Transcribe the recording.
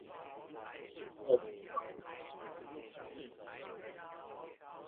二十段名畫旅程